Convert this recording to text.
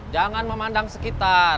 jangan memandang sekitar